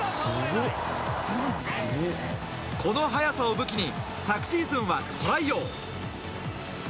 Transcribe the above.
この速さを武器に昨シーズンはトライ王。